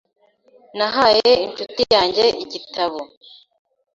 Nahaye inshuti yanjye igitabo .